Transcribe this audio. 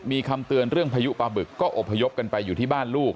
มีคำเตือนเรื่องพายุปลาบึกก็อบพยพกันไปอยู่ที่บ้านลูก